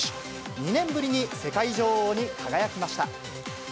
２年ぶりに世界女王に輝きました。